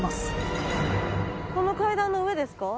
この階段の上ですか？